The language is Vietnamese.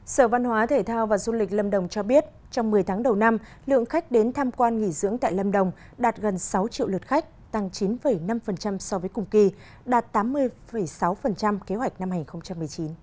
sở văn hóa thể thao và du lịch lâm đồng cho biết trong một mươi tháng đầu năm lượng khách đến tham quan nghỉ dưỡng tại lâm đồng đạt gần sáu triệu lượt khách tăng chín năm so với cùng kỳ đạt tám mươi sáu kế hoạch năm hai nghìn một mươi chín